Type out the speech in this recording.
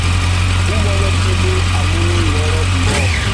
Umuênê tunu a munú nʼwôrrô umbōh.